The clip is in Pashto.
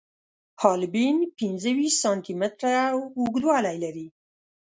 حالبین پنځه ویشت سانتي متره اوږدوالی لري.